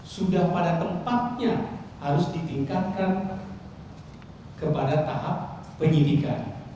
sudah pada tempatnya harus ditingkatkan kepada tahap penyidikan